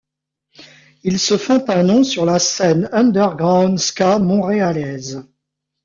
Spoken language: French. Ils se font un nom sur la scène underground ska montréalaise.